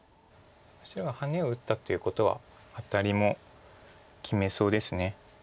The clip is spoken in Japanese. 白はハネを打ったということはアタリも決めそうです。